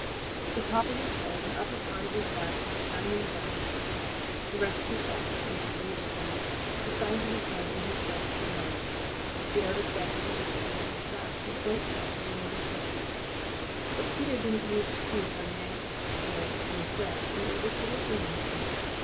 The top of his head and upper part of his back were shining black. The rest of his back was bluish gray. The sides of his head and his breast were white. The outer feathers of his tail were black with white patches near their tips. But Peter didn't need to see how Yank Yank was dressed in order to recognize him.